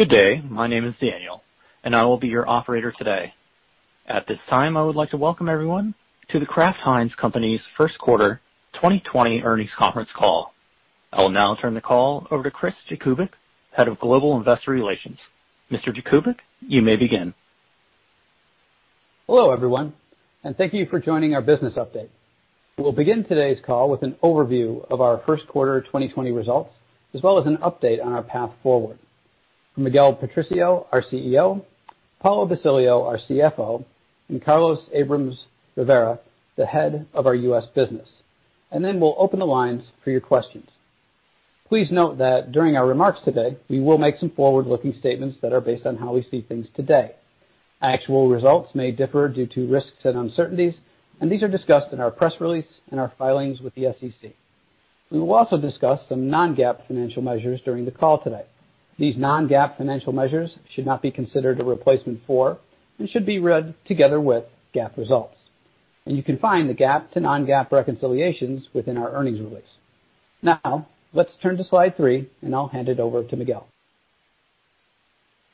Good day. My name is Daniel, and I will be your operator today. At this time, I would like to welcome everyone to The Kraft Heinz Company's first quarter 2020 earnings conference call. I will now turn the call over to Chris Jakubik, Head of Global Investor Relations. Mr. Jakubik, you may begin. Hello, everyone. Thank you for joining our business update. We'll begin today's call with an overview of our first quarter 2020 results, as well as an update on our path forward. Miguel Patricio, our CEO, Paulo Basilio, our CFO, and Carlos Abrams-Rivera, the head of our U.S. business. We'll open the lines for your questions. Please note that during our remarks today, we will make some forward-looking statements that are based on how we see things today. Actual results may differ due to risks and uncertainties. These are discussed in our press release and our filings with the SEC. We will also discuss some non-GAAP financial measures during the call today. These non-GAAP financial measures should not be considered a replacement for, and should be read together with GAAP results. You can find the GAAP to non-GAAP reconciliations within our earnings release. Now, let's turn to slide three, and I'll hand it over to Miguel.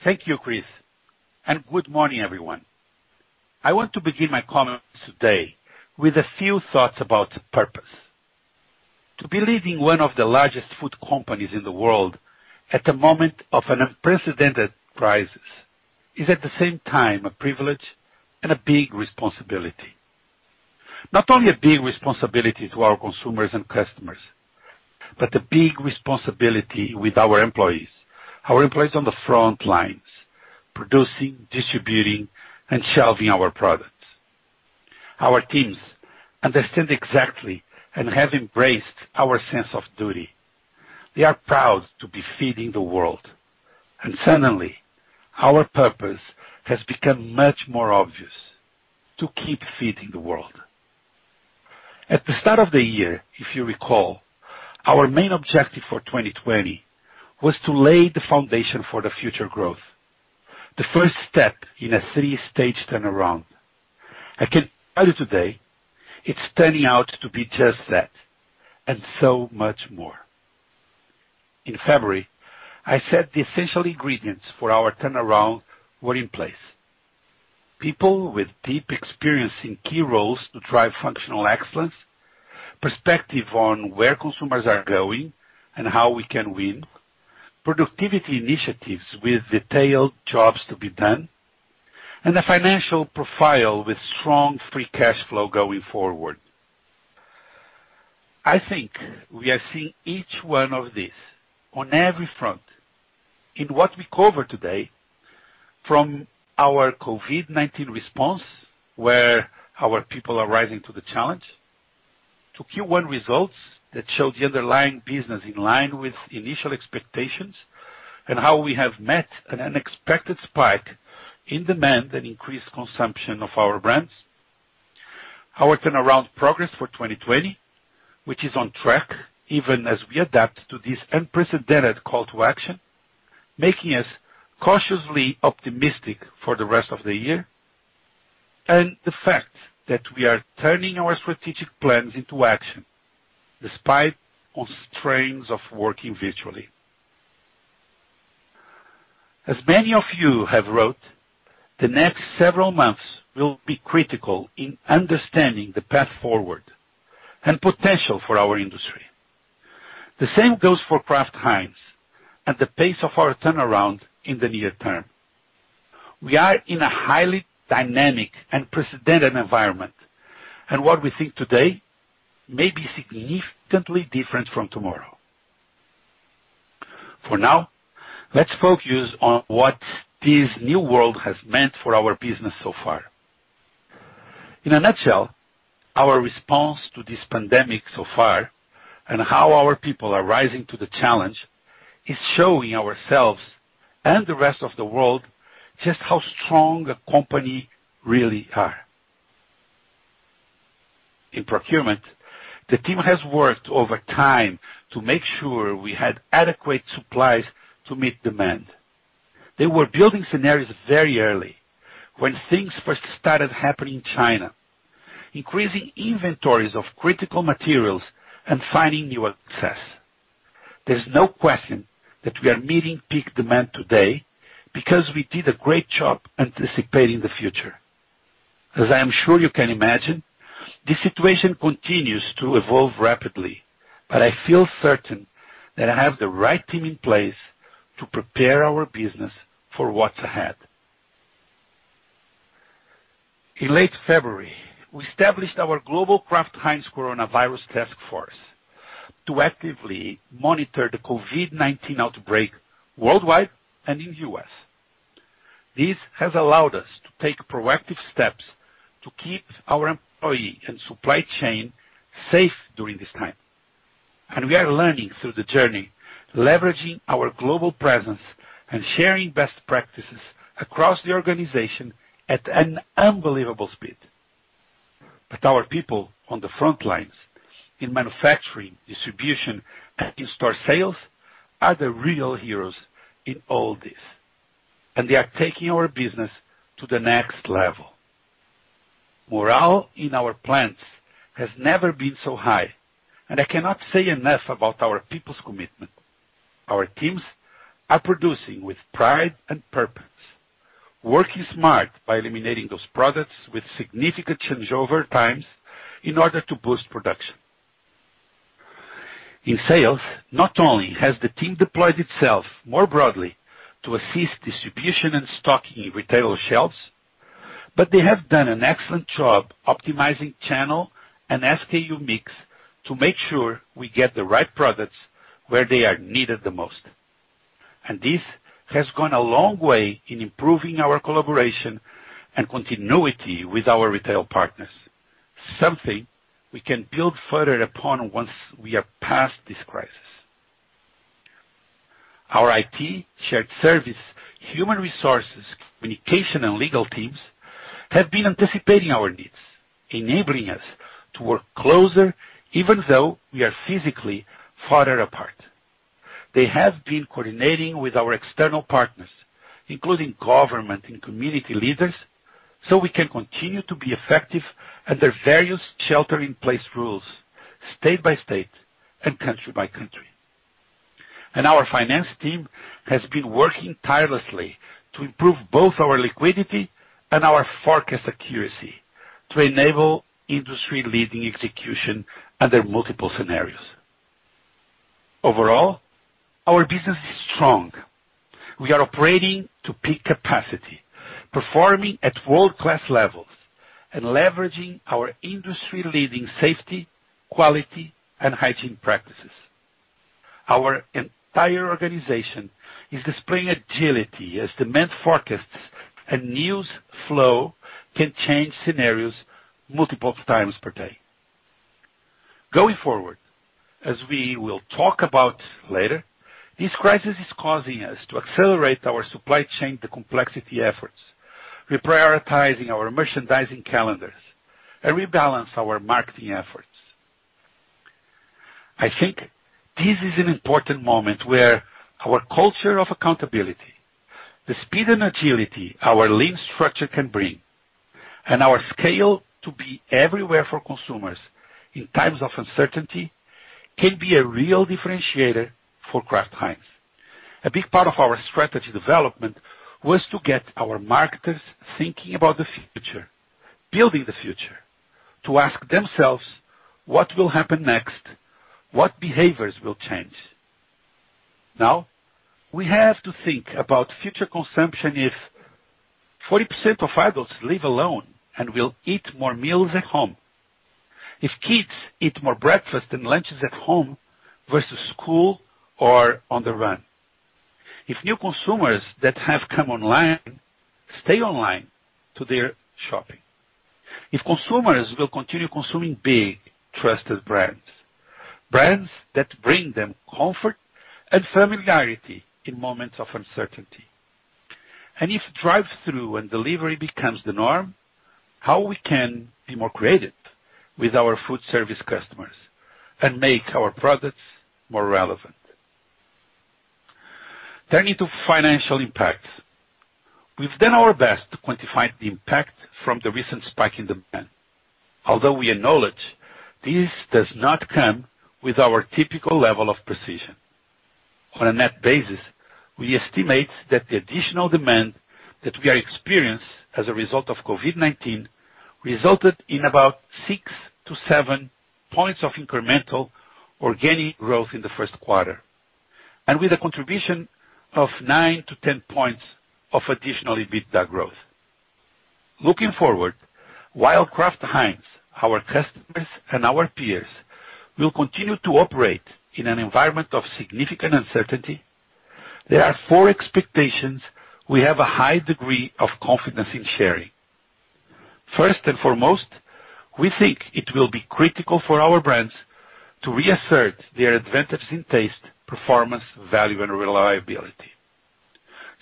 Thank you, Chris. Good morning, everyone. I want to begin my comments today with a few thoughts about purpose. To be leading one of the largest food companies in the world at the moment of an unprecedented crisis is at the same time a privilege and a big responsibility. Not only a big responsibility to our consumers and customers, but a big responsibility with our employees, our employees on the front lines, producing, distributing, and shelving our products. Our teams understand exactly and have embraced our sense of duty. They are proud to be feeding the world. Suddenly, our purpose has become much more obvious: to keep feeding the world. At the start of the year, if you recall, our main objective for 2020 was to lay the foundation for the future growth, the first step in a three-stage turnaround. I can tell you today, it's turning out to be just that, and so much more. In February, I said the essential ingredients for our turnaround were in place. People with deep experience in key roles to drive functional excellence, perspective on where consumers are going and how we can win, productivity initiatives with detailed jobs to be done, and a financial profile with strong free cash flow going forward. I think we are seeing each one of these on every front in what we cover today from our COVID-19 response, where our people are rising to the challenge, to Q1 results that show the underlying business in line with initial expectations and how we have met an unexpected spike in demand and increased consumption of our brands, our turnaround progress for 2020, which is on track even as we adapt to this unprecedented call to action, making us cautiously optimistic for the rest of the year, and the fact that we are turning our strategic plans into action despite the strains of working virtually. As many of you have wrote, the next several months will be critical in understanding the path forward and potential for our industry. The same goes for Kraft Heinz and the pace of our turnaround in the near term. We are in a highly dynamic, unprecedented environment, and what we think today may be significantly different from tomorrow. For now, let's focus on what this new world has meant for our business so far. In a nutshell, our response to this pandemic so far and how our people are rising to the challenge is showing ourselves and the rest of the world just how strong a company really are. In procurement, the team has worked overtime to make sure we had adequate supplies to meet demand. They were building scenarios very early when things first started happening in China, increasing inventories of critical materials and finding new access. There's no question that we are meeting peak demand today because we did a great job anticipating the future. As I am sure you can imagine, the situation continues to evolve rapidly, but I feel certain that I have the right team in place to prepare our business for what's ahead. In late February, we established our global Kraft Heinz Coronavirus Task Force to actively monitor the COVID-19 outbreak worldwide and in U.S. This has allowed us to take proactive steps to keep our employee and supply chain safe during this time. We are learning through the journey, leveraging our global presence and sharing best practices across the organization at an unbelievable speed. Our people on the front lines in manufacturing, distribution, and in store sales are the real heroes in all this, and they are taking our business to the next level. Morale in our plants has never been so high, and I cannot say enough about our people's commitment. Our teams are producing with pride and purpose, working smart by eliminating those products with significant changeover times in order to boost production. In sales, not only has the team deployed itself more broadly to assist distribution and stocking retail shelves, but they have done an excellent job optimizing channel and SKU mix to make sure we get the right products where they are needed the most. This has gone a long way in improving our collaboration and continuity with our retail partners, something we can build further upon once we are past this crisis. Our IT shared service, human resources, communication, and legal teams have been anticipating our needs, enabling us to work closer even though we are physically farther apart. They have been coordinating with our external partners, including government and community leaders, so we can continue to be effective under various shelter-in-place rules, state by state and country by country. Our finance team has been working tirelessly to improve both our liquidity and our forecast accuracy to enable industry-leading execution under multiple scenarios. Overall, our business is strong. We are operating to peak capacity, performing at world-class levels, and leveraging our industry-leading safety, quality, and hygiene practices. Our entire organization is displaying agility as demand forecasts and news flow can change scenarios multiple times per day. Going forward, as we will talk about later, this crisis is causing us to accelerate our supply chain, the complexity efforts, reprioritizing our merchandising calendars, and rebalance our marketing efforts. I think this is an important moment where our culture of accountability, the speed and agility our lean structure can bring, and our scale to be everywhere for consumers in times of uncertainty, can be a real differentiator for Kraft Heinz. A big part of our strategy development was to get our marketers thinking about the future, building the future, to ask themselves what will happen next, what behaviors will change. Now, we have to think about future consumption if 40% of adults live alone and will eat more meals at home, if kids eat more breakfast than lunches at home versus school or on the run. If new consumers that have come online stay online to their shopping, if consumers will continue consuming big trusted brands that bring them comfort and familiarity in moments of uncertainty. If drive-through and delivery becomes the norm, how we can be more creative with our foodservice customers and make our products more relevant. Turning to financial impacts. We've done our best to quantify the impact from the recent spike in demand. Although we acknowledge this does not come with our typical level of precision. On a net basis, we estimate that the additional demand that we are experienced as a result of COVID-19 resulted in about six to seven points of incremental organic growth in the first quarter, and with a contribution of 9-10 points of additional EBITDA growth. Looking forward, while Kraft Heinz, our customers, and our peers will continue to operate in an environment of significant uncertainty, there are four expectations we have a high degree of confidence in sharing. First and foremost, we think it will be critical for our brands to reassert their advantages in taste, performance, value, and reliability.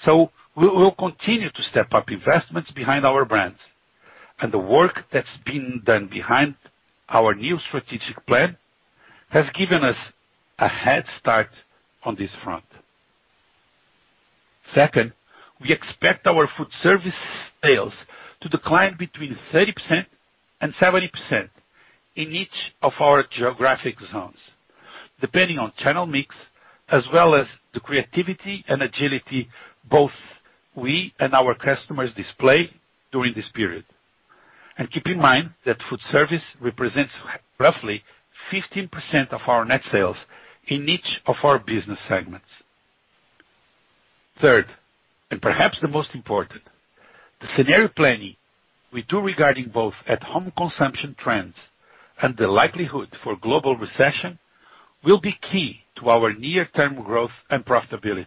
We will continue to step up investments behind our brands, and the work that's been done behind our new strategic plan has given us a head start on this front. Second, we expect our food service sales to decline between 30%-70% in each of our geographic zones, depending on channel mix as well as the creativity and agility both we and our customers display during this period. Keep in mind that food service represents roughly 15% of our net sales in each of our business segments. Third, and perhaps the most important, the scenario planning we do regarding both at-home consumption trends and the likelihood for global recession will be key to our near-term growth and profitability,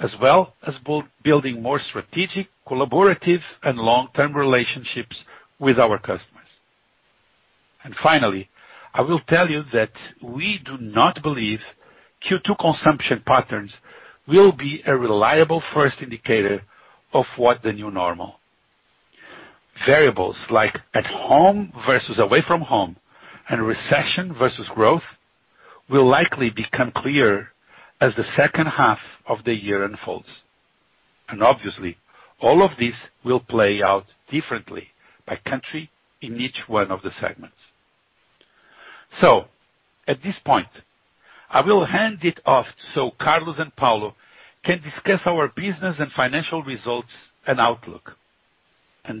as well as building more strategic, collaborative, and long-term relationships with our customers. Finally, I will tell you that we do not believe Q2 consumption patterns will be a reliable first indicator of what the new normal. Variables like at home versus away from home and recession versus growth will likely become clearer as the second half of the year unfolds. Obviously, all of this will play out differently by country in each one of the segments. At this point, I will hand it off so Carlos and Paulo can discuss our business and financial results and outlook.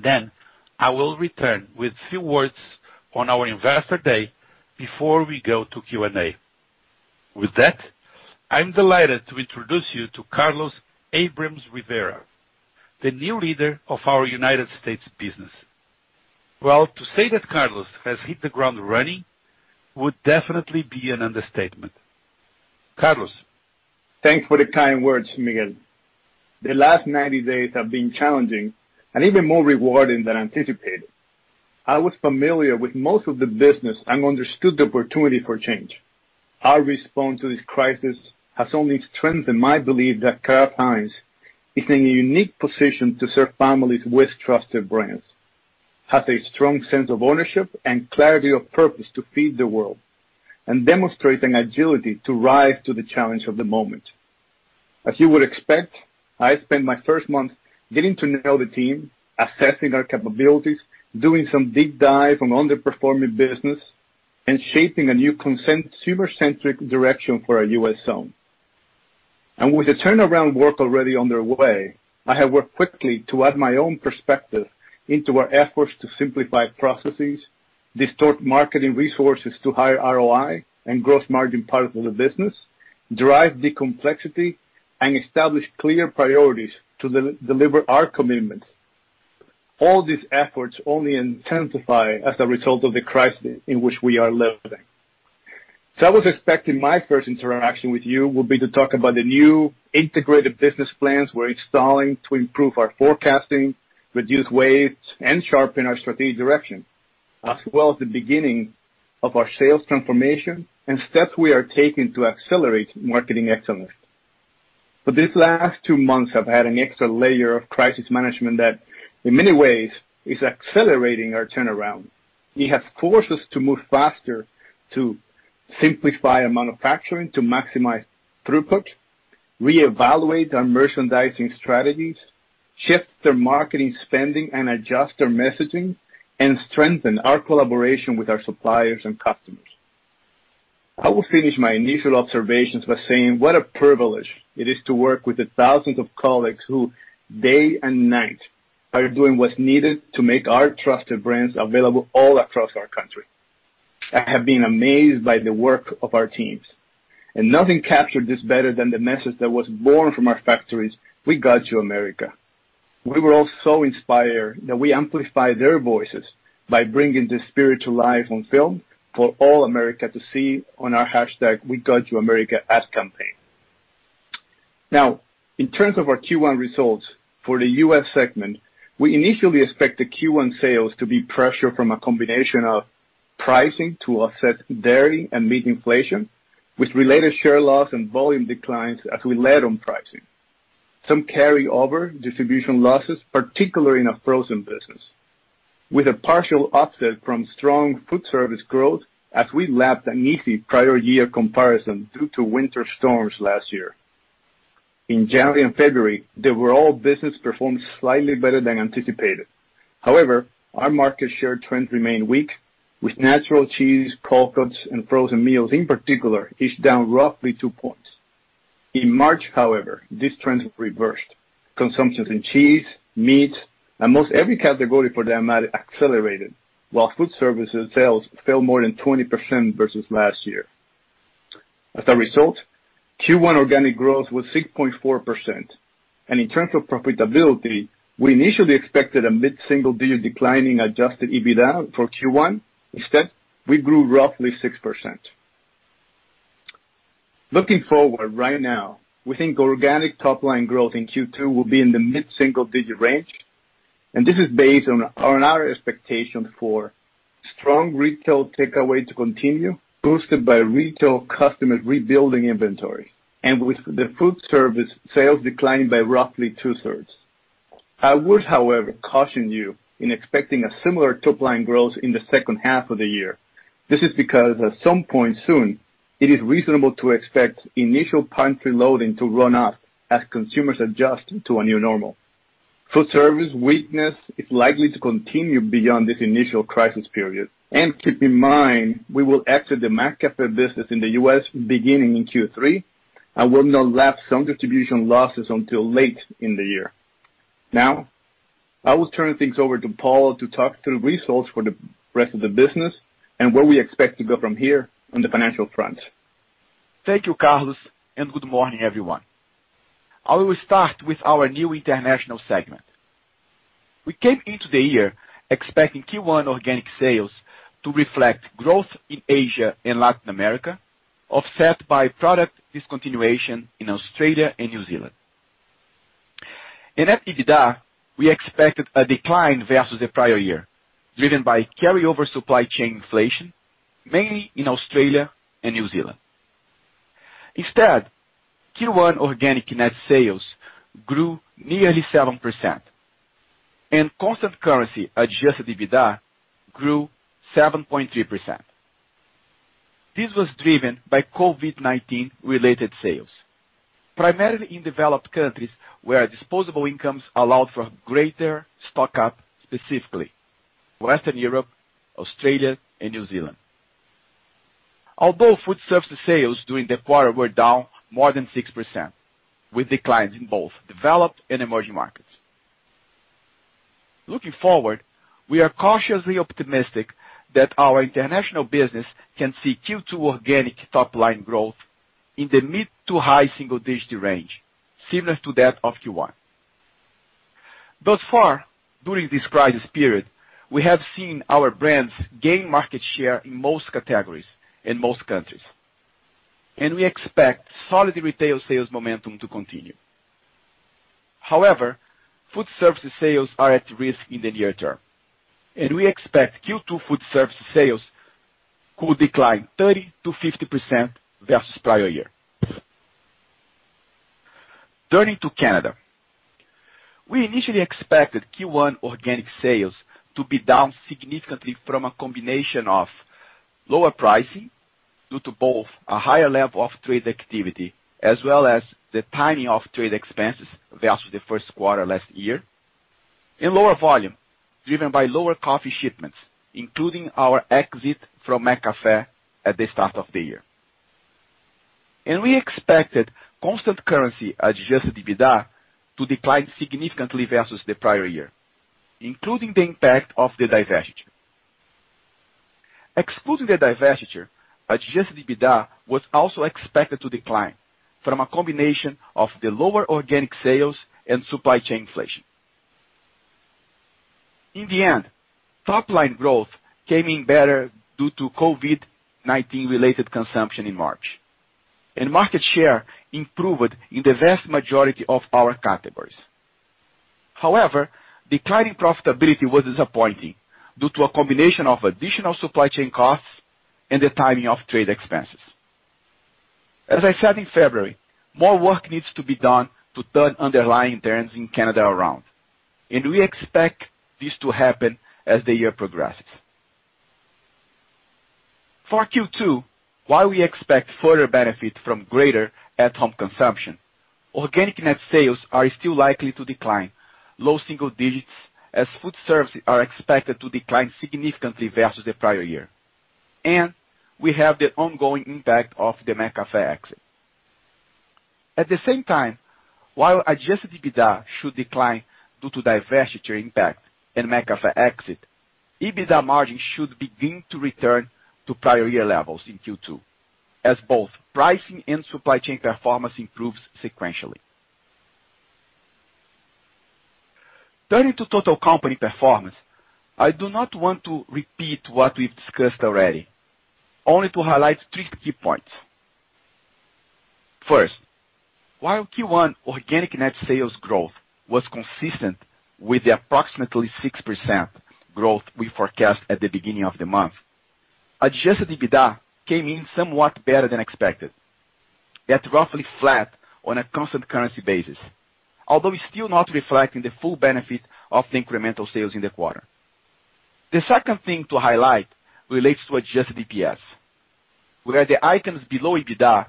Then I will return with a few words on our investor day before we go to Q&A. With that, I'm delighted to introduce you to Carlos Abrams-Rivera, the new leader of our United States business. Well, to say that Carlos has hit the ground running would definitely be an understatement. Carlos? Thanks for the kind words, Miguel. The last 90 days have been challenging and even more rewarding than anticipated. I was familiar with most of the business and understood the opportunity for change. Our response to this crisis has only strengthened my belief that Kraft Heinz is in a unique position to serve families with trusted brands, has a strong sense of ownership and clarity of purpose to feed the world, and demonstrate an agility to rise to the challenge of the moment. As you would expect, I spent my first month getting to know the team, assessing our capabilities, doing some deep dive on underperforming business, and shaping a new consumer-centric direction for our U.S. zone. With the turnaround work already underway, I have worked quickly to add my own perspective into our efforts to simplify processes, distort marketing resources to higher ROI and gross margin part of the business, reduce the complexity, and establish clear priorities to deliver our commitments. All these efforts only intensify as a result of the crisis in which we are living. I was expecting my first interaction with you will be to talk about the new integrated business plans we're installing to improve our forecasting, reduce waste, and sharpen our strategic direction, as well as the beginning of our sales transformation and steps we are taking to accelerate marketing excellence. These last two months have had an extra layer of crisis management that, in many ways, is accelerating our turnaround. It has forced us to move faster to simplify our manufacturing, to maximize throughput, reevaluate our merchandising strategies, shift their marketing spending, and adjust their messaging, and strengthen our collaboration with our suppliers and customers. I will finish my initial observations by saying what a privilege it is to work with the thousands of colleagues who, day and night, are doing what's needed to make our trusted brands available all across our country. I have been amazed by the work of our teams, and nothing captured this better than the message that was born from our factories, "We got you, America." We were all so inspired that we amplified their voices by bringing this spirit to life on film for all America to see on our hashtag, #WeGotYouAmerica ad campaign. In terms of our Q1 results for the U.S. segment, we initially expect the Q1 sales to be pressured from a combination of pricing to offset dairy and meat inflation, with related share loss and volume declines as we led on pricing. Some carryover distribution losses, particularly in our frozen business, with a partial offset from strong food service growth as we lapped an easy prior year comparison due to winter storms last year. In January and February, the overall business performed slightly better than anticipated. However, our market share trends remain weak with natural cheese, cold cuts, and frozen meals in particular, each down roughly two points. In March, however, these trends have reversed. Consumptions in cheese, meat, and most every category for the amount accelerated, while food service sales fell more than 20% versus last year. As a result, Q1 organic growth was 6.4%. In terms of profitability, we initially expected a mid-single digit decline in adjusted EBITDA for Q1. Instead, we grew roughly 6%. Looking forward right now, we think organic top-line growth in Q2 will be in the mid-single digit range. This is based on our expectation for strong retail takeaway to continue, boosted by retail customers rebuilding inventory, and with the food service sales declining by roughly two-thirds. I would, however, caution you in expecting a similar top-line growth in the second half of the year. This is because, at some point soon, it is reasonable to expect initial pantry loading to run out as consumers adjust to a new normal. Food service weakness is likely to continue beyond this initial crisis period. Keep in mind, we will exit the McCafé business in the U.S. beginning in Q3 and will not lap some distribution losses until late in the year. I will turn things over to Paulo to talk through results for the rest of the business and where we expect to go from here on the financial front. Thank you, Carlos, and good morning, everyone. I will start with our new international segment. We came into the year expecting Q1 organic sales to reflect growth in Asia and Latin America, offset by product discontinuation in Australia and New Zealand. At EBITDA, we expected a decline versus the prior year, driven by carryover supply chain inflation, mainly in Australia and New Zealand. Instead, Q1 organic net sales grew nearly 7% and constant currency adjusted EBITDA grew 7.3%. This was driven by COVID-19 related sales, primarily in developed countries where disposable incomes allowed for greater stock up, specifically Western Europe, Australia and New Zealand. Food service sales during the quarter were down more than 6%, with declines in both developed and emerging markets. Looking forward, we are cautiously optimistic that our international business can see Q2 organic top line growth in the mid to high single-digit range, similar to that of Q1. Thus far, during this crisis period, we have seen our brands gain market share in most categories in most countries, and we expect solid retail sales momentum to continue. However, food service sales are at risk in the near term, and we expect Q2 food service sales could decline 30%-50% versus prior year. Turning to Canada. We initially expected Q1 organic sales to be down significantly from a combination of lower pricing, due to both a higher level of trade activity as well as the timing of trade expenses versus the first quarter last year, and lower volume driven by lower coffee shipments, including our exit from McCafé at the start of the year. We expected constant currency adjusted EBITDA to decline significantly versus the prior year, including the impact of the divestiture. Excluding the divestiture, adjusted EBITDA was also expected to decline from a combination of the lower organic sales and supply chain inflation. In the end, top line growth came in better due to COVID-19 related consumption in March, and market share improved in the vast majority of our categories. However, declining profitability was disappointing due to a combination of additional supply chain costs and the timing of trade expenses. As I said in February, more work needs to be done to turn underlying trends in Canada around, and we expect this to happen as the year progresses. For Q2, while we expect further benefit from greater at-home consumption, organic net sales are still likely to decline low single digits as food service are expected to decline significantly versus the prior year. We have the ongoing impact of the McCafé exit. At the same time, while adjusted EBITDA should decline due to divestiture impact and McCafé exit, EBITDA margin should begin to return to prior year levels in Q2 as both pricing and supply chain performance improves sequentially. Turning to total company performance. I do not want to repeat what we've discussed already, only to highlight three key points. First, while Q1 organic net sales growth was consistent with the approximately 6% growth we forecast at the beginning of the month, adjusted EBITDA came in somewhat better than expected, yet roughly flat on a constant currency basis, although still not reflecting the full benefit of the incremental sales in the quarter. The second thing to highlight relates to adjusted EPS, where the items below EBITDA,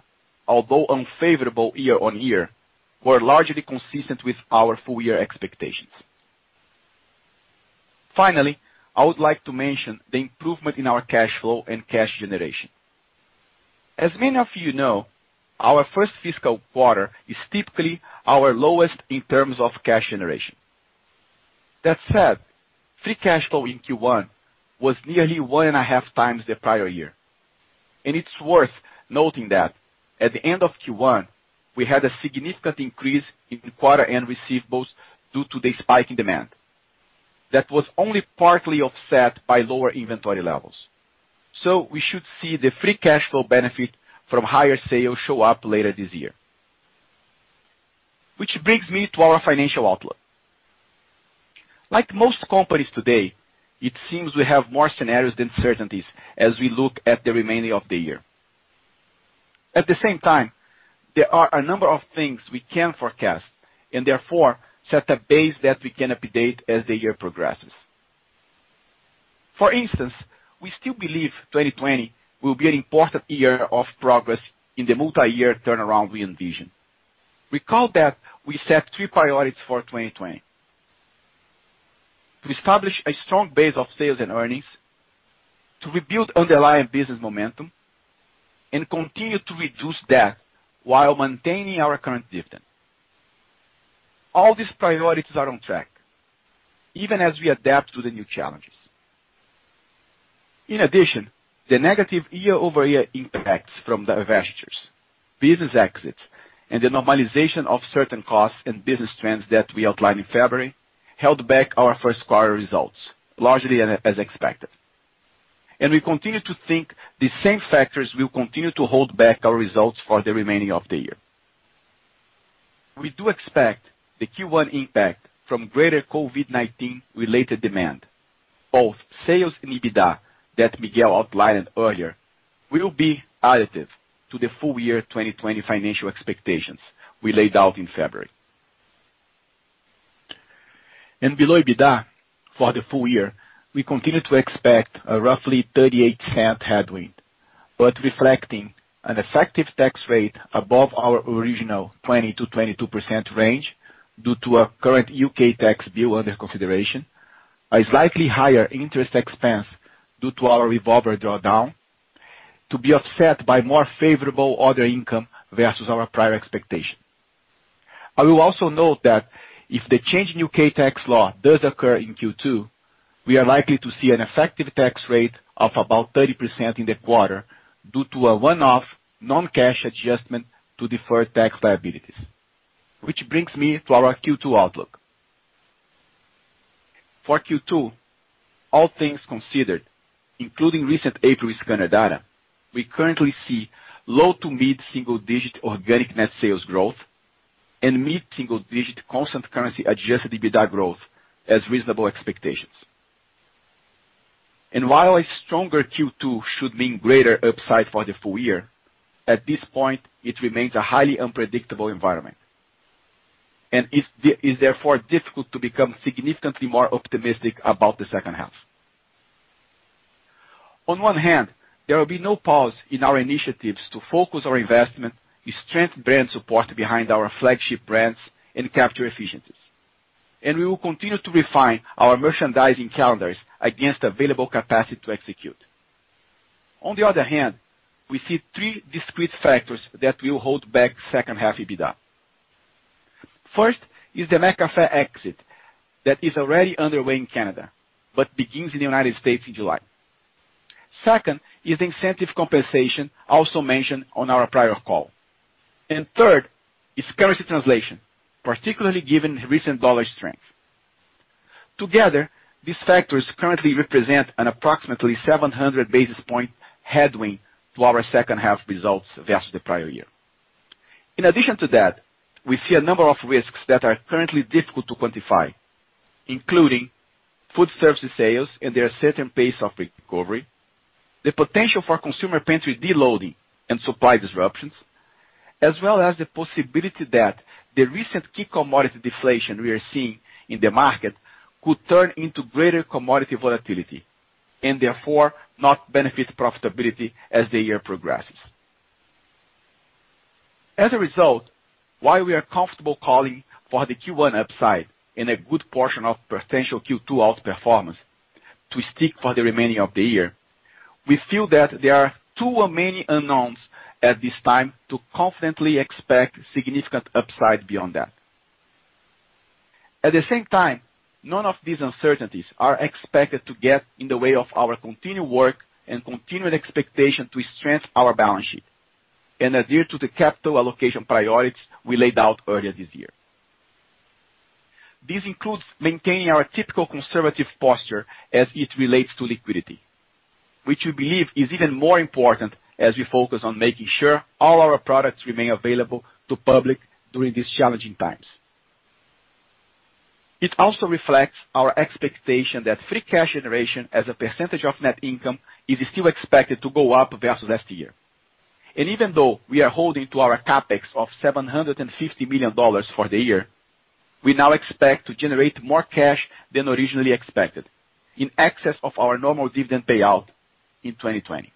although unfavorable year-on-year, were largely consistent with our full year expectations. Finally, I would like to mention the improvement in our cash flow and cash generation. As many of you know, our first fiscal quarter is typically our lowest in terms of cash generation. That said, free cash flow in Q1 was nearly one and a half times the prior year, and it's worth noting that at the end of Q1, we had a significant increase in quarter end receivables due to the spike in demand. That was only partly offset by lower inventory levels. We should see the free cash flow benefit from higher sales show up later this year. Brings me to our financial outlook. Like most companies today, it seems we have more scenarios than certainties as we look at the remaining of the year. At the same time, there are a number of things we can forecast and therefore set a base that we can update as the year progresses. For instance, we still believe 2020 will be an important year of progress in the multi-year turnaround we envision. Recall that we set three priorities for 2020. To establish a strong base of sales and earnings, to rebuild underlying business momentum, and continue to reduce debt while maintaining our current dividend. All these priorities are on track, even as we adapt to the new challenges. In addition, the negative year-over-year impacts from divestitures, business exits, and the normalization of certain costs and business trends that we outlined in February held back our first quarter results, largely as expected. We continue to think these same factors will continue to hold back our results for the remaining of the year. We do expect the Q1 impact from greater COVID-19 related demand, both sales and EBITDA that Miguel outlined earlier, will be additive to the full year 2020 financial expectations we laid out in February. Below EBITDA for the full year, we continue to expect a roughly $0.38 headwind. Reflecting an effective tax rate above our original 20%-22% range due to a current U.K. tax bill under consideration, a slightly higher interest expense due to our revolver drawdown, to be offset by more favorable order income versus our prior expectation. I will also note that if the change in U.K. tax law does occur in Q2, we are likely to see an effective tax rate of about 30% in the quarter due to a one-off non-cash adjustment to deferred tax liabilities. Which brings me to our Q2 outlook. For Q2, all things considered, including recent April scanner data, we currently see low to mid-single digit organic net sales growth and mid-single digit constant currency adjusted EBITDA growth as reasonable expectations. While a stronger Q2 should mean greater upside for the full year, at this point, it remains a highly unpredictable environment, and it's therefore difficult to become significantly more optimistic about the second half. On one hand, there will be no pause in our initiatives to focus our investment to strengthen brand support behind our flagship brands and capture efficiencies. We will continue to refine our merchandising calendars against available capacity to execute. On the other hand, we see three discrete factors that will hold back second half EBITDA. First is the McCafé exit that is already underway in Canada, but begins in the United States in July. Second is incentive compensation, also mentioned on our prior call. Third is currency translation, particularly given recent dollar strength. Together, these factors currently represent an approximately 700 basis points headwind to our second half results versus the prior year. In addition to that, we see a number of risks that are currently difficult to quantify, including food service sales and their certain pace of recovery, the potential for consumer pantry deloading and supply disruptions, as well as the possibility that the recent key commodity deflation we are seeing in the market could turn into greater commodity volatility and therefore not benefit profitability as the year progresses. As a result, while we are comfortable calling for the Q1 upside and a good portion of potential Q2 outperformance to stick for the remaining of the year, we feel that there are too many unknowns at this time to confidently expect significant upside beyond that. At the same time, none of these uncertainties are expected to get in the way of our continued work and continued expectation to strengthen our balance sheet and adhere to the capital allocation priorities we laid out earlier this year. This includes maintaining our typical conservative posture as it relates to liquidity, which we believe is even more important as we focus on making sure all our products remain available to public during these challenging times. It also reflects our expectation that free cash generation as a percentage of net income is still expected to go up versus last year. Even though we are holding to our CapEx of $750 million for the year, we now expect to generate more cash than originally expected, in excess of our normal dividend payout in 2020.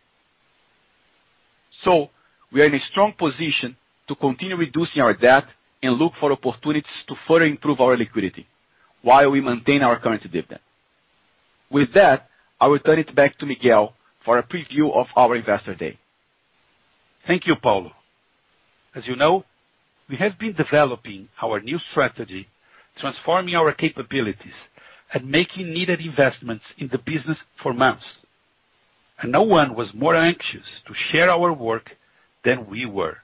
We are in a strong position to continue reducing our debt and look for opportunities to further improve our liquidity while we maintain our current dividend. With that, I will turn it back to Miguel for a preview of our Investor Day. Thank you, Paulo. As you know, we have been developing our new strategy, transforming our capabilities and making needed investments in the business for months. No one was more anxious to share our work than we were.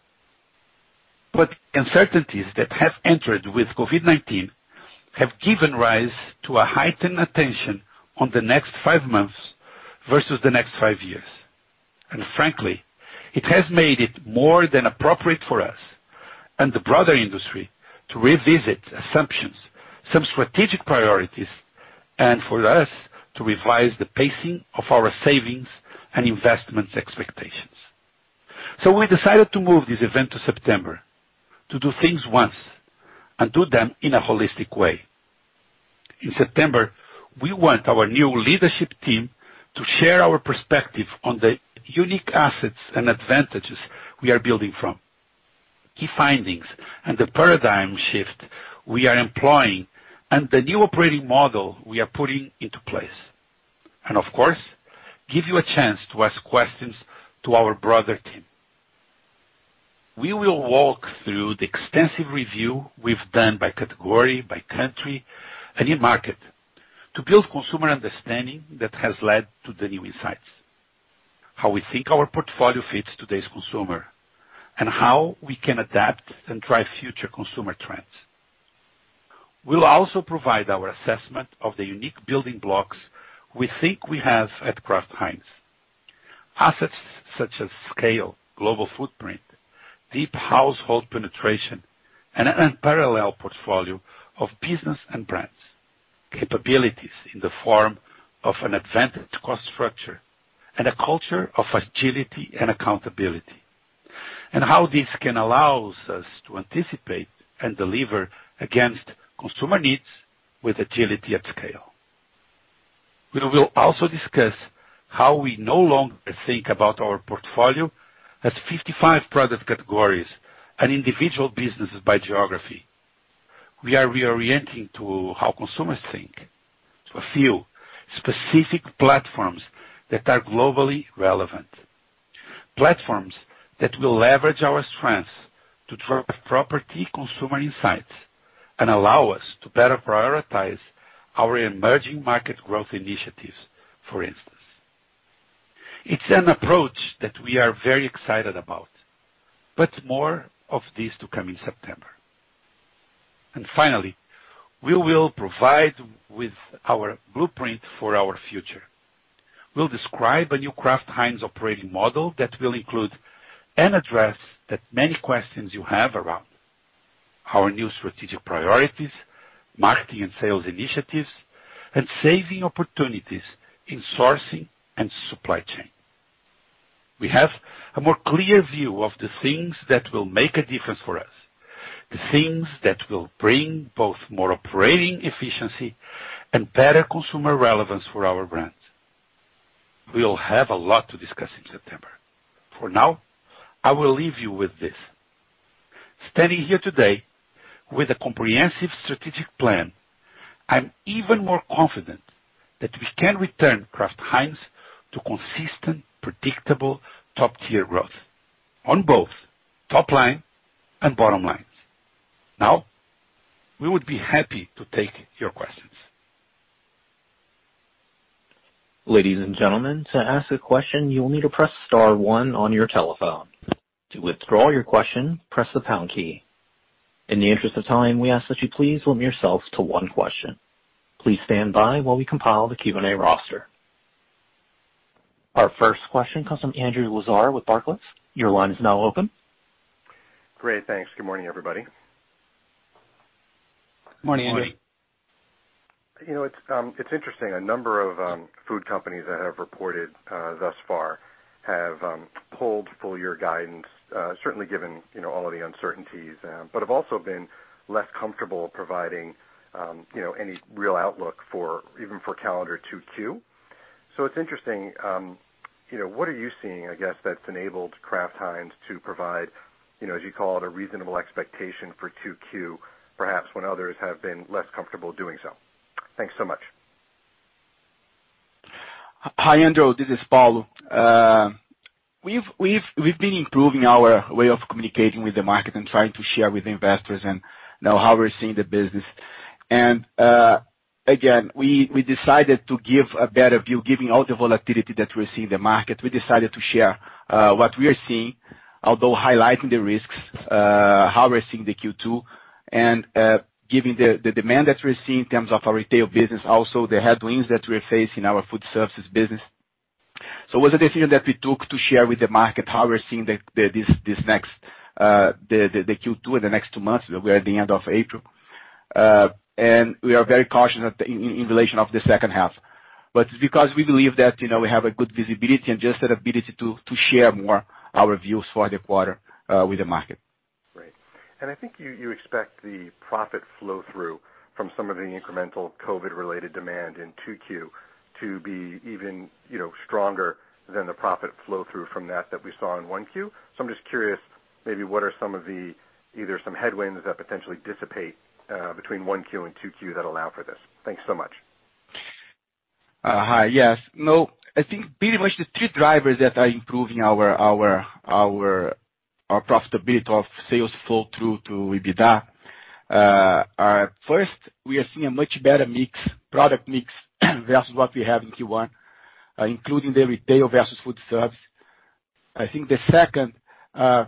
Uncertainties that have entered with COVID-19 have given rise to a heightened attention on the next five months versus the next five years. Frankly, it has made it more than appropriate for us and the broader industry to revisit assumptions, some strategic priorities, and for us to revise the pacing of our savings and investments expectations. We decided to move this event to September to do things once and do them in a holistic way. In September, we want our new leadership team to share our perspective on the unique assets and advantages we are building from, key findings and the paradigm shift we are employing, and the new operating model we are putting into place. Of course, give you a chance to ask questions to our broader team. We will walk through the extensive review we've done by category, by country and in market to build consumer understanding that has led to the new insights, how we think our portfolio fits today's consumer, and how we can adapt and drive future consumer trends. We'll also provide our assessment of the unique building blocks we think we have at Kraft Heinz. Assets such as scale, global footprint, deep household penetration, and an unparalleled portfolio of business and brands, capabilities in the form of an advantaged cost structure, and a culture of agility and accountability, and how this can allow us to anticipate and deliver against consumer needs with agility at scale. We will also discuss how we no longer think about our portfolio as 55 product categories and individual businesses by geography. We are reorienting to how consumers think to a few specific platforms that are globally relevant. Platforms that will leverage our strengths to drive proper consumer insights and allow us to better prioritize our emerging market growth initiatives, for instance. It's an approach that we are very excited about, but more of this to come in September. Finally, we will provide with our blueprint for our future. We'll describe a new Kraft Heinz operating model that will include and address the many questions you have around our new strategic priorities, marketing and sales initiatives, and saving opportunities in sourcing and supply chain. We have a more clear view of the things that will make a difference for us, the things that will bring both more operating efficiency and better consumer relevance for our brands. We'll have a lot to discuss in September. For now, I will leave you with this. Standing here today with a comprehensive strategic plan, I'm even more confident that we can return Kraft Heinz to consistent, predictable, top-tier growth on both top line and bottom lines. We would be happy to take your questions. Ladies and gentlemen, to ask a question, you will need to press star one on your telephone. To withdraw your question, press the pound key. In the interest of time, we ask that you please limit yourselves to one question. Please stand by while we compile the Q&A roster. Our first question comes from Andrew Lazar with Barclays. Your line is now open. Great. Thanks. Good morning, everybody. Morning, Andrew. You know, it's interesting. A number of food companies that have reported thus far have pulled full year guidance, certainly given all of the uncertainties, but have also been less comfortable providing any real outlook even for calendar 2Q. It's interesting. What are you seeing, I guess, that's enabled Kraft Heinz to provide, as you call it, a reasonable expectation for 2Q, perhaps when others have been less comfortable doing so? Thanks so much. Hi, Andrew. This is Paulo. We've been improving our way of communicating with the market and trying to share with investors and how we're seeing the business. Again, we decided to give a better view, given all the volatility that we're seeing in the market. We decided to share what we are seeing, although highlighting the risks, how we're seeing the Q2, and given the demand that we're seeing in terms of our retail business, also the headwinds that we're facing in our food services business. It was a decision that we took to share with the market how we're seeing the Q2 in the next two months. We are at the end of April. We are very cautious in relation of the second half. It's because we believe that we have a good visibility and just the ability to share more our views for the quarter with the market. Great. I think you expect the profit flow-through from some of the incremental COVID-related demand in 2Q to be even stronger than the profit flow-through from that we saw in 1Q. I'm just curious, maybe what are some of either some headwinds that potentially dissipate between 1Q and 2Q that allow for this? Thanks so much. Hi. Yes. No, I think pretty much the three drivers that are improving our profitability of sales flow-through to EBITDA are first, we are seeing a much better product mix versus what we have in Q1, including the retail versus food service. I think the second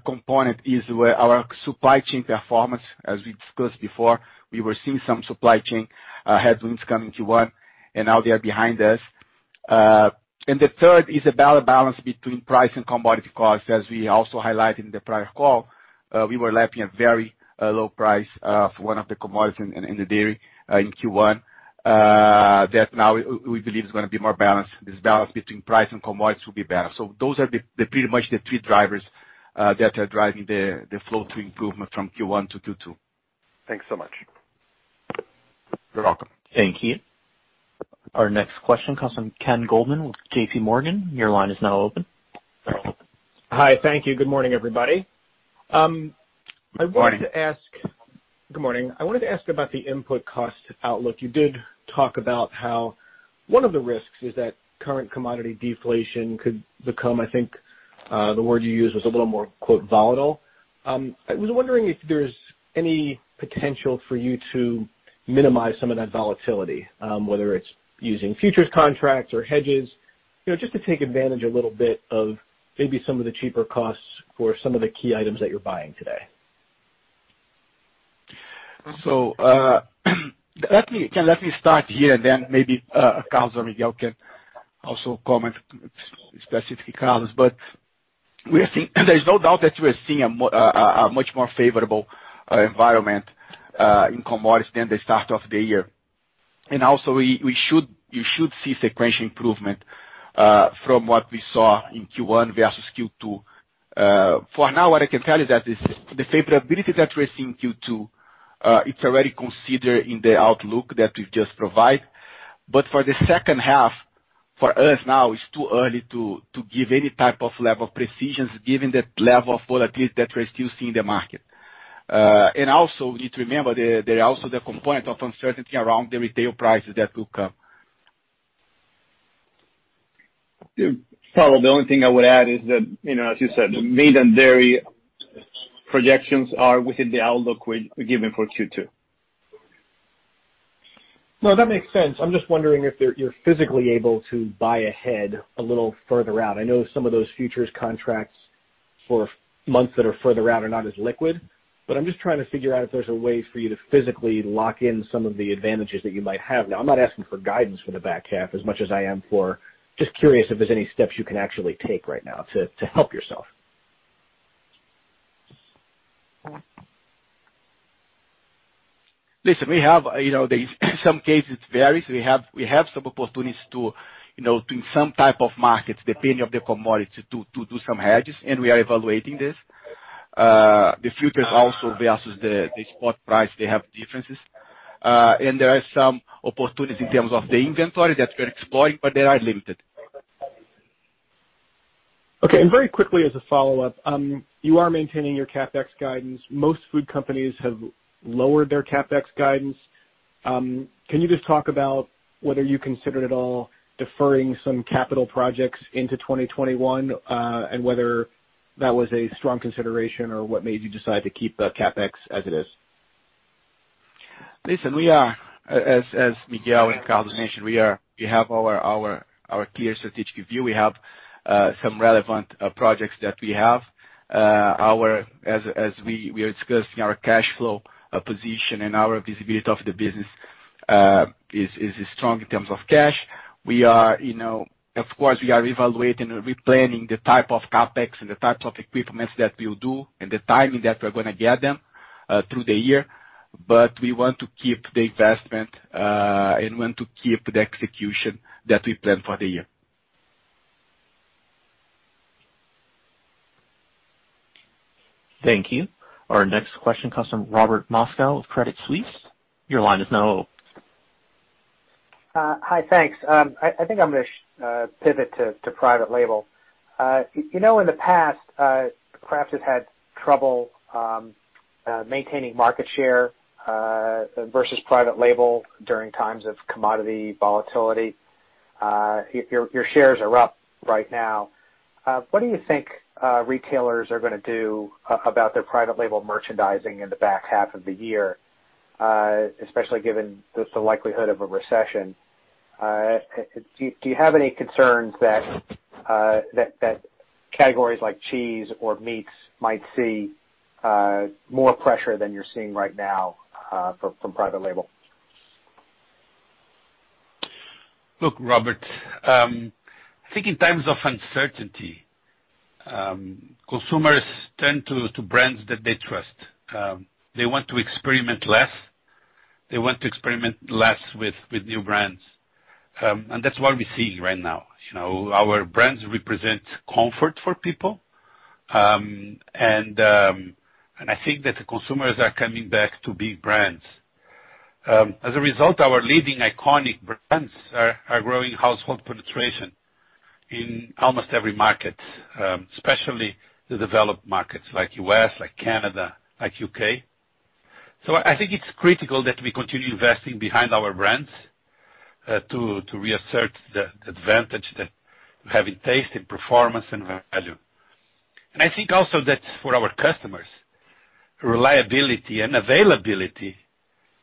component is our supply chain performance. As we discussed before, we were seeing some supply chain headwinds come in Q1. Now they are behind us. The third is a better balance between price and commodity costs. As we also highlighted in the prior call, we were lapping a very low price for one of the commodities in the dairy in Q1, that now we believe is going to be more balanced. This balance between price and commodities will be better. Those are pretty much the three drivers that are driving the flow-through improvement from Q1-Q2. Thanks so much. You're welcome. Thank you. Our next question comes from Ken Goldman with JPMorgan. Your line is now open. Hi. Thank you. Good morning, everybody. Good morning. Good morning. I wanted to ask about the input cost outlook. You did talk about how one of the risks is that current commodity deflation could become, I think, the word you used was a little more, quote, "volatile." I was wondering if there's any potential for you to minimize some of that volatility, whether it's using futures contracts or hedges, just to take advantage a little bit of maybe some of the cheaper costs for some of the key items that you're buying today. Let me start here, and then maybe Carlos or Miguel can also comment, specifically Carlos. There's no doubt that we are seeing a much more favorable environment in commodities than the start of the year. Also, you should see sequential improvement from what we saw in Q1 versus Q2. For now, what I can tell you that the favorability that we're seeing Q2, it's already considered in the outlook that we've just provided. For the second half, for us now, it's too early to give any type of level precisions, given the level of volatility that we're still seeing in the market. Also, we need to remember there are also the component of uncertainty around the retail prices that will come. Carlos, the only thing I would add is that, as you said, meat and dairy projections are within the outlook we've given for Q2. No, that makes sense. I'm just wondering if you're physically able to buy ahead a little further out. I know some of those futures contracts for months that are further out are not as liquid. I'm just trying to figure out if there's a way for you to physically lock in some of the advantages that you might have. Now, I'm not asking for guidance for the back half as much as I am for just curious if there's any steps you can actually take right now to help yourself. Listen, we have, in some cases, it varies. We have some opportunities to, in some type of markets, depending of the commodity, to do some hedges, and we are evaluating this. The futures also versus the spot price, they have differences. There are some opportunities in terms of the inventory that we're exploring, but they are limited. Okay, very quickly as a follow-up, you are maintaining your CapEx guidance. Most food companies have lowered their CapEx guidance. Can you just talk about whether you considered at all deferring some capital projects into 2021, and whether that was a strong consideration or what made you decide to keep the CapEx as it is? Listen, we are, as Miguel and Carlos mentioned, we have our clear strategic view. We have some relevant projects that we have. We are discussing our cash flow position and our visibility of the business is strong in terms of cash. Of course, we are evaluating and replanning the type of CapEx and the types of equipments that we'll do and the timing that we're going to get them through the year. We want to keep the investment, and want to keep the execution that we planned for the year. Thank you. Our next question comes from Robert Moskow of Credit Suisse. Your line is now open. Hi, thanks. I think I'm going to pivot to private label. In the past, Kraft has had trouble maintaining market share versus private label during times of commodity volatility. Your shares are up right now. What do you think retailers are going to do about their private label merchandising in the back half of the year, especially given the likelihood of a recession? Do you have any concerns that categories like cheese or meats might see more pressure than you're seeing right now from private label? Look, Robert, I think in times of uncertainty, consumers turn to brands that they trust. They want to experiment less. They want to experiment less with new brands. That's what we're seeing right now. Our brands represent comfort for people, and I think that the consumers are coming back to big brands. As a result, our leading iconic brands are growing household penetration in almost every market, especially the developed markets like U.S., like Canada, like U.K. I think it's critical that we continue investing behind our brands, to reassert the advantage that we have in taste and performance and value. I think also that for our customers, reliability and availability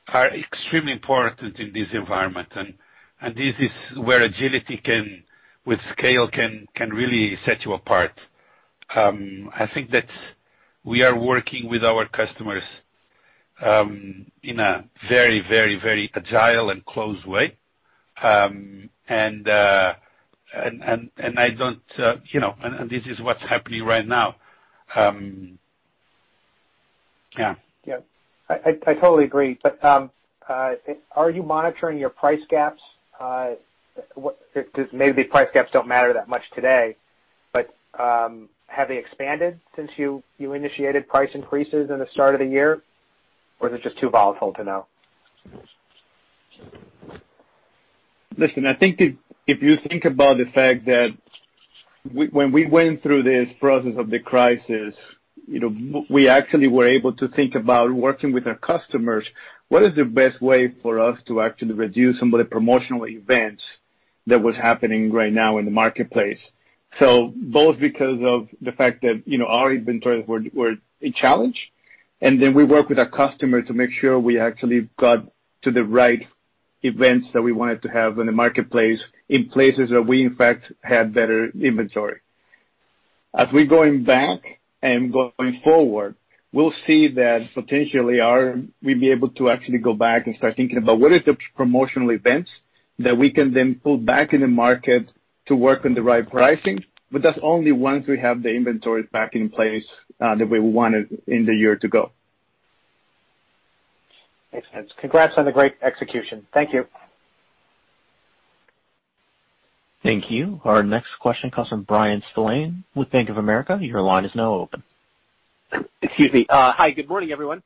are extremely important in this environment. This is where agility with scale can really set you apart. I think that we are working with our customers in a very agile and close way. This is what's happening right now. Yeah. Yeah. I totally agree. Are you monitoring your price gaps? Maybe price gaps don't matter that much today, but have they expanded since you initiated price increases in the start of the year? Is it just too volatile to know? Listen, I think if you think about the fact that when we went through this process of the crisis, we actually were able to think about working with our customers. What is the best way for us to actually reduce some of the promotional events that was happening right now in the marketplace? Both because of the fact that our inventories were a challenge, and then we worked with our customer to make sure we actually got to the right events that we wanted to have in the marketplace in places where we in fact had better inventory. As we're going back and going forward, we'll see that potentially we'll be able to actually go back and start thinking about what are the promotional events that we can then pull back in the market to work on the right pricing. That's only once we have the inventory back in place that we wanted in the year to go. Makes sense. Congrats on the great execution. Thank you. Thank you. Our next question comes from Bryan Spillane with Bank of America. Your line is now open. Excuse me. Hi. Good morning, everyone.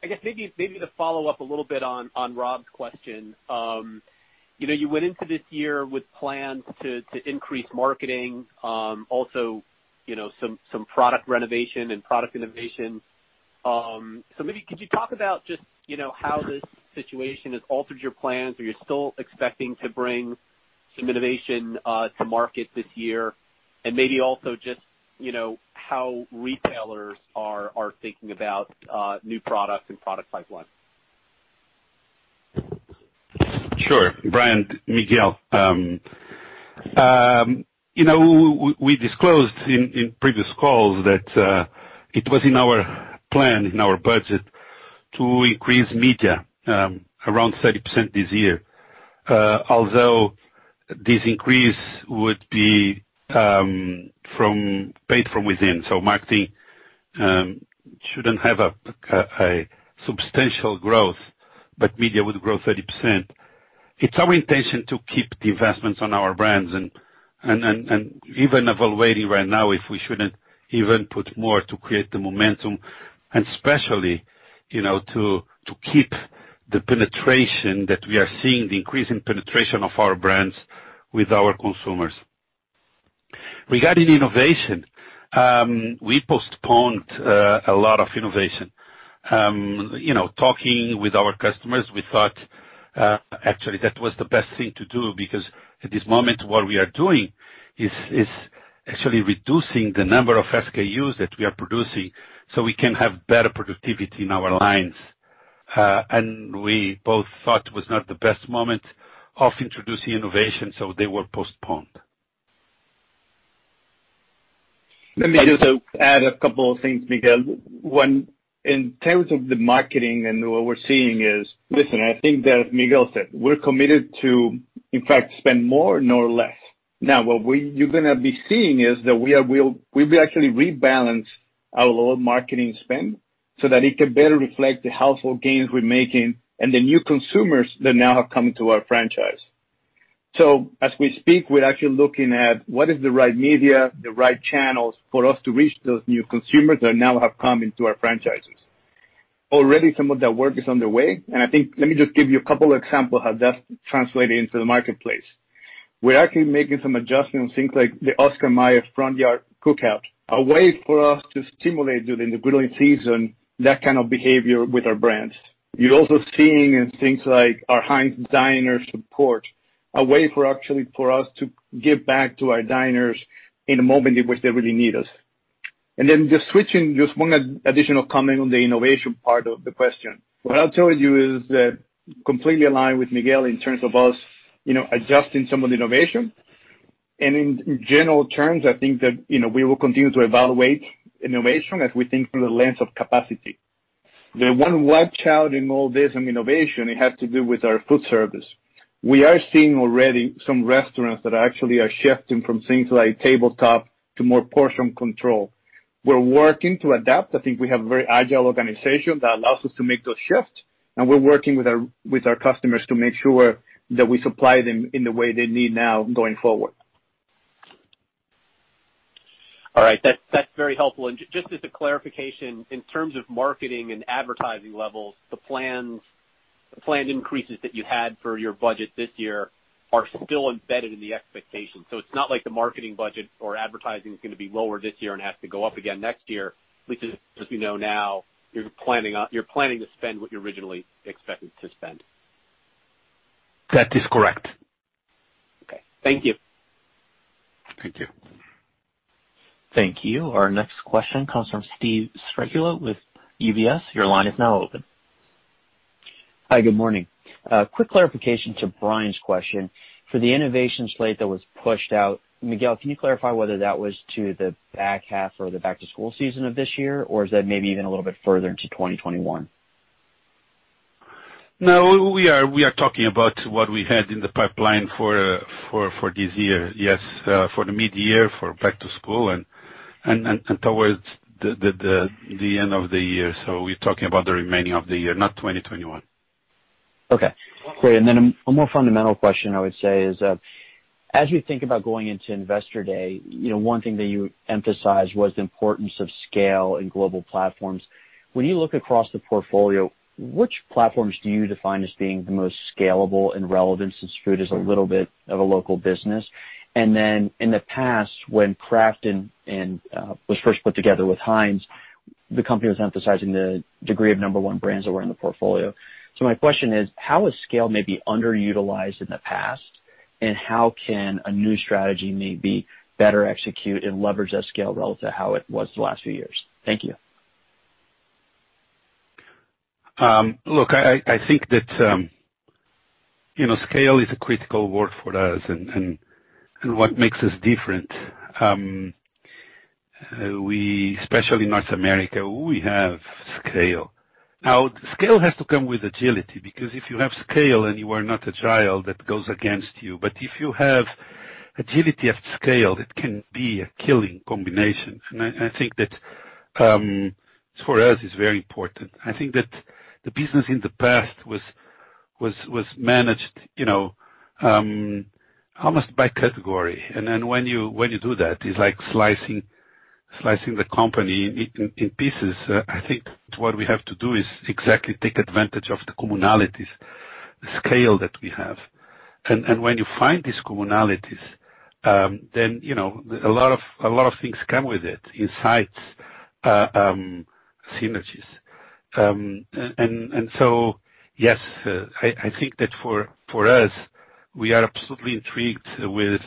I guess maybe to follow up a little bit on Rob's question. You went into this year with plans to increase marketing, also some product renovation and product innovation. Maybe could you talk about just how this situation has altered your plans? Are you still expecting to bring some innovation to market this year? Maybe also just how retailers are thinking about new products and product pipeline. Sure. Bryan, Miguel. We disclosed in previous calls that it was in our plan, in our budget to increase media around 30% this year. This increase would be paid from within, so marketing shouldn't have a substantial growth, but media would grow 30%. It's our intention to keep the investments on our brands and even evaluating right now if we shouldn't even put more to create the momentum and especially to keep the penetration that we are seeing, the increase in penetration of our brands with our consumers. Regarding innovation, we postponed a lot of innovation. Talking with our customers, we thought actually that was the best thing to do because at this moment what we are doing is actually reducing the number of SKU that we are producing so we can have better productivity in our lines. We both thought it was not the best moment of introducing innovation, so they were postponed. Let me just add a couple of things, Miguel. One, in terms of the marketing and what we're seeing is, listen, I think that Miguel said, we're committed to, in fact, spend more, not less. What you're going to be seeing is that we will actually rebalance our lower marketing spend so that it can better reflect the household gains we're making and the new consumers that now have come into our franchise. As we speak, we're actually looking at what is the right media, the right channels for us to reach those new consumers that now have come into our franchises. Already some of that work is underway, I think, let me just give you a couple of examples of how that's translating into the marketplace. We're actually making some adjustments, things like the Oscar Mayer Front Yard Cookout, a way for us to stimulate during the grilling season that kind of behavior with our brands. You're also seeing in things like our Heinz for Diners, a way for actually for us to give back to our diners in a moment in which they really need us. Just switching, just one additional comment on the innovation part of the question. What I'll tell you is that completely aligned with Miguel in terms of us adjusting some of the innovation. In general terms, I think that we will continue to evaluate innovation as we think through the lens of capacity. The one wild child in all this and innovation, it has to do with our food service. We are seeing already some restaurants that actually are shifting from things like tabletop to more portion control. We're working to adapt. I think we have a very agile organization that allows us to make those shifts, and we're working with our customers to make sure that we supply them in the way they need now going forward. All right. That's very helpful. Just as a clarification, in terms of marketing and advertising levels, the planned increases that you had for your budget this year are still embedded in the expectations. It's not like the marketing budget or advertising is going to be lower this year and have to go up again next year. At least as we know now, you're planning to spend what you originally expected to spend. That is correct. Okay. Thank you. Thank you. Thank you. Our next question comes from Steve Strycula with UBS. Your line is now open. Hi, good morning. Quick clarification to Bryan's question. For the innovation slate that was pushed out, Miguel, can you clarify whether that was to the back half or the back-to-school season of this year, or is that maybe even a little bit further into 2021? No, we are talking about what we had in the pipeline for this year. Yes, for the mid-year, for back to school and towards the end of the year. We're talking about the remaining of the year, not 2021. Okay, great. A more fundamental question I would say is that as you think about going into Investor Day, one thing that you emphasized was the importance of scale and global platforms. When you look across the portfolio, which platforms do you define as being the most scalable and relevant since food is a little bit of a local business? In the past when Kraft was first put together with Heinz, the company was emphasizing the degree of number one brands that were in the portfolio. My question is, how is scale maybe underutilized in the past, and how can a new strategy maybe better execute and leverage that scale relative to how it was the last few years? Thank you. I think that scale is a critical word for us and what makes us different. Especially in North America, we have scale. Scale has to come with agility, because if you have scale and you are not agile, that goes against you. If you have agility at scale, it can be a killing combination. I think that for us, it's very important. I think that the business in the past was managed almost by category. When you do that, it's like slicing the company in pieces. I think what we have to do is exactly take advantage of the commonalities, the scale that we have. When you find these commonalities, a lot of things come with it, insights, synergies. Yes, I think that for us, we are absolutely intrigued with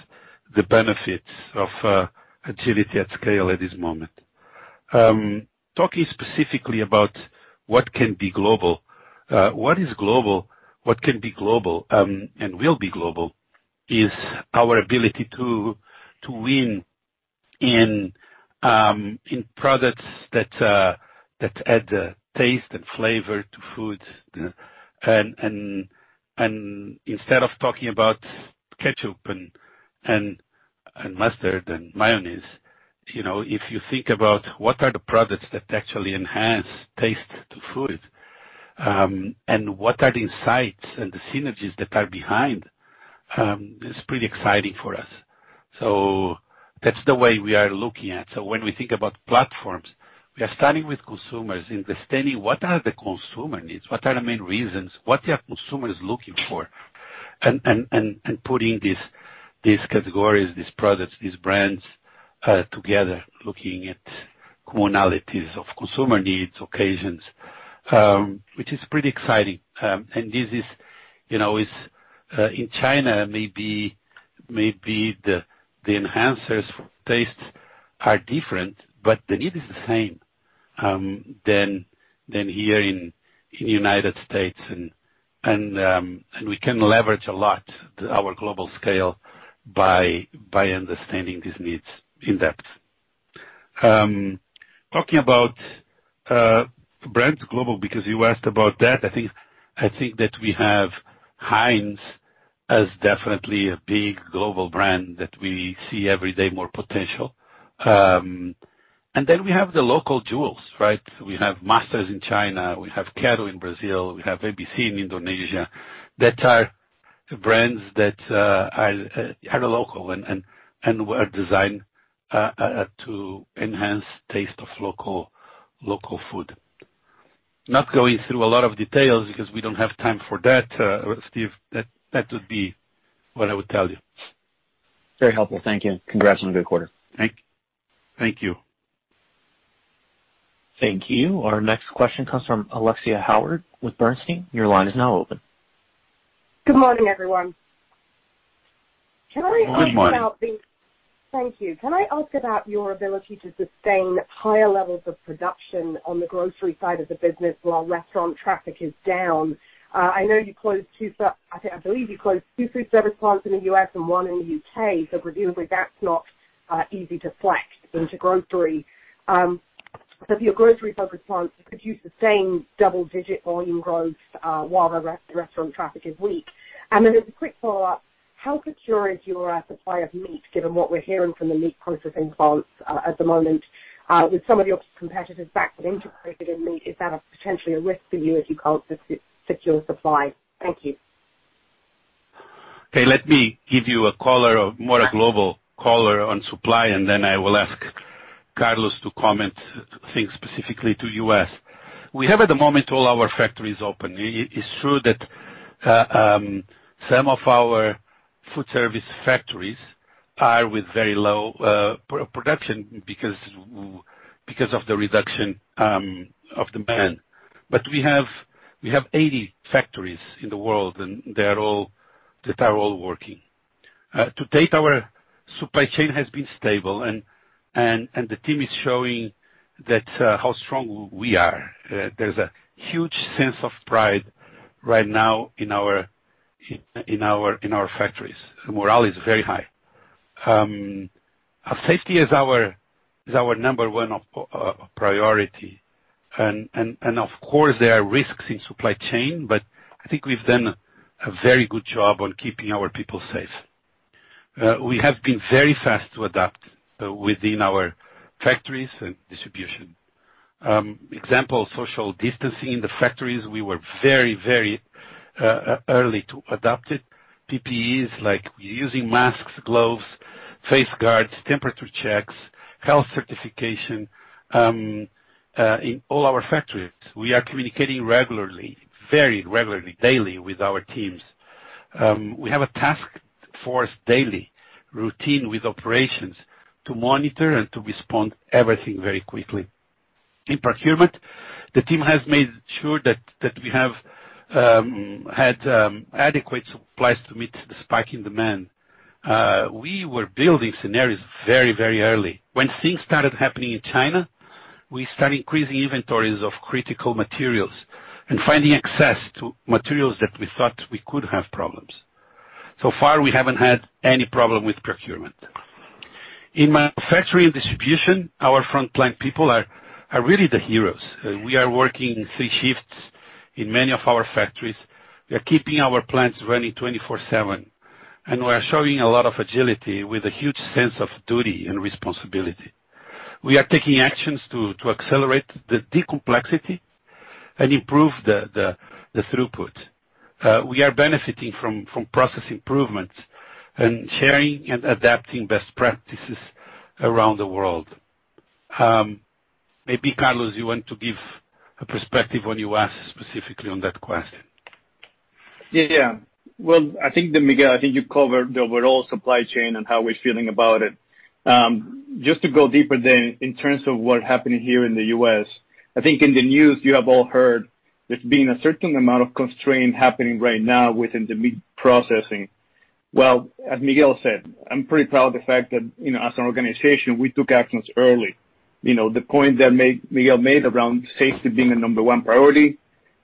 the benefits of agility at scale at this moment. Talking specifically about what can be global. What is global, what can be global, and will be global, is our ability to win in products that add taste and flavor to food. Instead of talking about ketchup and mustard and mayonnaise, if you think about what are the products that actually enhance taste to food, and what are the insights and the synergies that are behind, it's pretty exciting for us. That's the way we are looking at. When we think about platforms, we are starting with consumers, understanding what are the consumer needs, what are the main reasons, what are consumers looking for, and putting these categories, these products, these brands together, looking at commonalities of consumer needs, occasions, which is pretty exciting. In China, maybe the enhancers for taste are different, but the need is the same than here in U.S. We can leverage a lot our global scale by understanding these needs in depth. Talking about brands global, because you asked about that. I think that we have Heinz as definitely a big global brand that we see every day more potential. Then we have the local jewels, right? We have Master in China, we have Quero in Brazil, we have ABC in Indonesia, that are brands that are local and were designed to enhance taste of local food. Not going through a lot of details because we don't have time for that, Steve. That would be what I would tell you. Very helpful. Thank you. Congrats on a good quarter. Thank you. Thank you. Our next question comes from Alexia Howard with Bernstein. Your line is now open. Good morning, everyone. Good morning. Thank you. Can I ask about your ability to sustain higher levels of production on the grocery side of the business while restaurant traffic is down? I believe you closed two food service plants in the U.S. and one in the U.K., so presumably, that's not easy to flex into grocery. If your grocery-focused plants could use the same double-digit volume growth while the restaurant traffic is weak? As a quick follow-up, how secure is your supply of meat, given what we're hearing from the meat processing plants at the moment? With some of your competitors back with integrated meat, is that potentially a risk for you if you can't secure supply? Thank you. Okay. Let me give you more a global color on supply. I will ask Carlos to comment things specifically to U.S. We have, at the moment, all our factories open. It is true that some of our food service factories are with very low production because of the reduction of demand. We have 80 factories in the world, and they are all working. To date, our supply chain has been stable, and the team is showing how strong we are. There is a huge sense of pride right now in our factories. Morale is very high. Safety is our number one priority. Of course, there are risks in supply chain, but I think we have done a very good job on keeping our people safe. We have been very fast to adapt within our factories and distribution. Example, social distancing in the factories, we were very early to adopt it. PPEs, like using masks, gloves, face guards, temperature checks, health certification, in all our factories. We are communicating regularly, very regularly, daily with our teams. We have a task force daily, routine with operations to monitor and to respond everything very quickly. In procurement, the team has made sure that we have had adequate supplies to meet the spike in demand. We were building scenarios very early. When things started happening in China, we started increasing inventories of critical materials and finding access to materials that we thought we could have problems. So far, we haven't had any problem with procurement. In manufacturing and distribution, our frontline people are really the heroes. We are working three shifts in many of our factories. We are keeping our plants running 24/7, and we are showing a lot of agility with a huge sense of duty and responsibility. We are taking actions to accelerate the de-complexity and improve the throughput. We are benefiting from process improvements and sharing and adapting best practices around the world. Maybe, Carlos, you want to give a perspective on U.S. specifically on that question. Well, Miguel, I think you covered the overall supply chain and how we're feeling about it. Just to go deeper in terms of what happened here in the U.S., I think in the news, you have all heard there's been a certain amount of constraint happening right now within the meat processing. Well, as Miguel said, I'm pretty proud of the fact that, as an organization, we took actions early. The point that Miguel made around safety being the number one priority,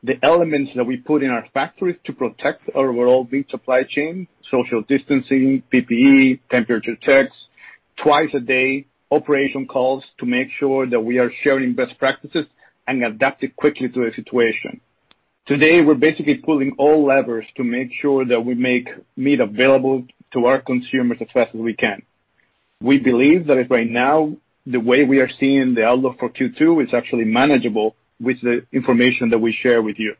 the elements that we put in our factories to protect our overall meat supply chain, social distancing, PPE, temperature checks twice a day, operation calls to make sure that we are sharing best practices and adapted quickly to the situation. Today, we're basically pulling all levers to make sure that we make meat available to our consumers as fast as we can. We believe that as right now, the way we are seeing the outlook for Q2 is actually manageable with the information that we share with you.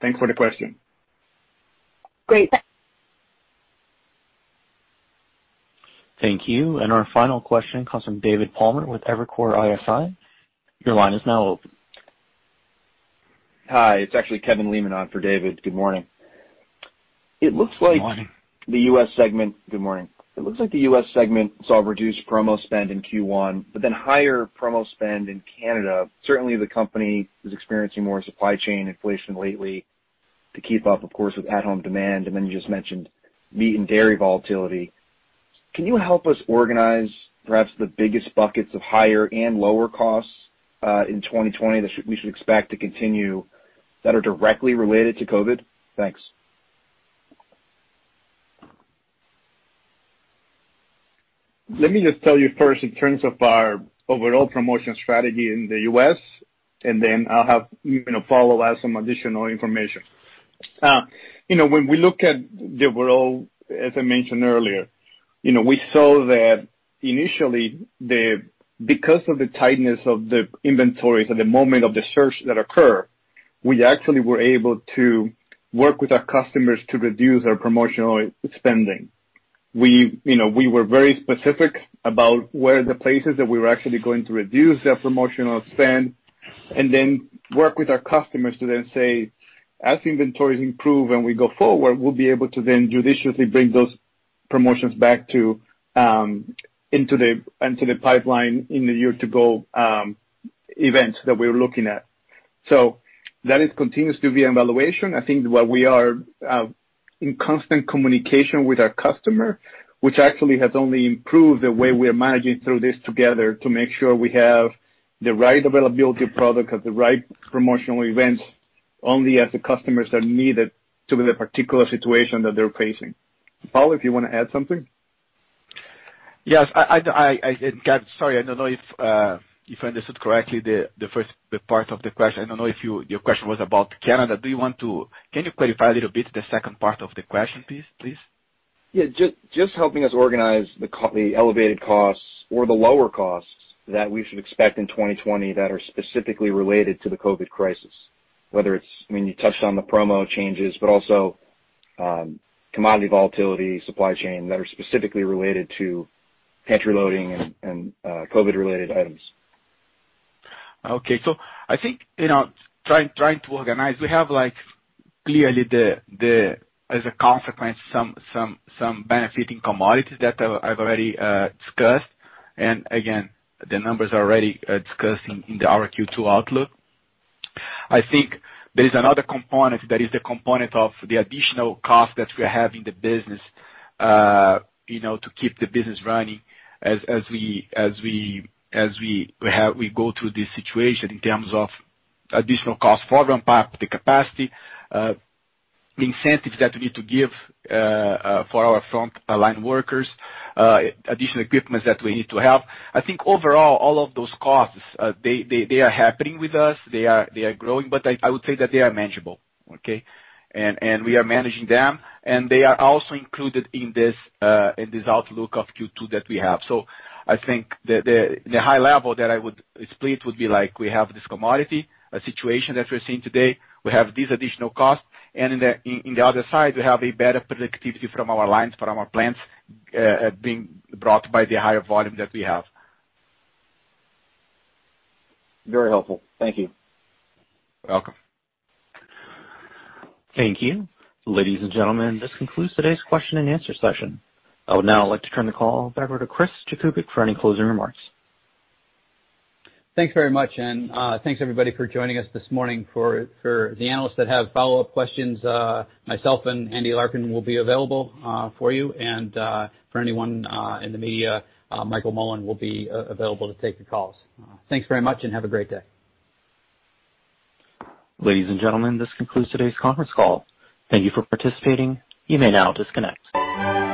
Thanks for the question. Great. Thank you. Our final question comes from David Palmer with Evercore ISI. Your line is now open. Hi, it's actually Kevin Lehmann on for David. Good morning. Good morning. Good morning. It looks like the U.S. segment saw reduced promo spend in Q1, but then higher promo spend in Canada. Certainly, the company is experiencing more supply chain inflation lately to keep up, of course, with at-home demand, and then you just mentioned meat and dairy volatility. Can you help us organize perhaps the biggest buckets of higher and lower costs, in 2020 that we should expect to continue that are directly related to COVID? Thanks. Let me just tell you first in terms of our overall promotion strategy in the U.S., and then I'll have Paulo add some additional information. We look at the world, as I mentioned earlier, we saw that initially, because of the tightness of the inventories at the moment of the surge that occur, we actually were able to work with our customers to reduce our promotional spending. We were very specific about where the places that we were actually going to reduce that promotional spend, and then work with our customers to then say, as inventories improve and we go forward, we'll be able to then judiciously bring those promotions back into the pipeline in the year to go events that we're looking at. That continues to be an evaluation. I think that we are in constant communication with our customer, which actually has only improved the way we are managing through this together to make sure we have the right availability of product at the right promotional events, only as the customers are needed to meet the particular situation that they're facing. Paulo, if you want to add something. Yes. Sorry, I don't know if I understood correctly the first part of the question. I don't know if your question was about Canada. Can you clarify a little bit the second part of the question, please? Yeah. Just helping us organize the elevated costs or the lower costs that we should expect in 2020 that are specifically related to the COVID crisis, you touched on the promo changes, but also commodity volatility, supply chain, that are specifically related to pantry loading and COVID-related items. I think, we have clearly, as a consequence, some benefiting commodities that I've already discussed, and again, the numbers are already discussed in our Q2 outlook. I think there is another component that is the component of the additional cost that we have in the business, to keep the business running as we go through this situation in terms of additional cost, volume, the capacity, incentives that we need to give for our front-line workers, additional equipment that we need to have. I think overall, all of those costs, they are happening with us. They are growing, I would say that they are manageable. We are managing them, and they are also included in this outlook of Q2 that we have. I think the high level that I would split would be like we have this commodity situation that we're seeing today. We have these additional costs, and in the other side, we have a better productivity from our lines, from our plants, being brought by the higher volume that we have. Very helpful. Thank you. Welcome. Thank you. Ladies and gentlemen, this concludes today's question and answer session. I would now like to turn the call back over to Chris Jakubik for any closing remarks. Thanks very much, and thanks everybody for joining us this morning. For the analysts that have follow-up questions, myself and Andy Larkin will be available for you, and for anyone in the media, Michael Mullen will be available to take the calls. Thanks very much and have a great day. Ladies and gentlemen, this concludes today's conference call. Thank you for participating. You may now disconnect.